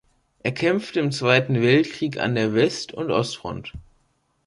Er kämpfte im Zweiten Weltkrieg an der West- und Ostfront.